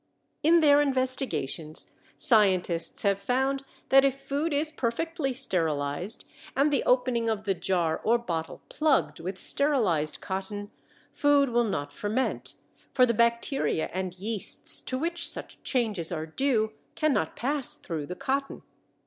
In their investigations scientists have found that if food is perfectly sterilized and the opening of the jar or bottle plugged with sterilized cotton, food will not ferment, for the bacteria and yeasts to which such changes are due can not pass through the cotton.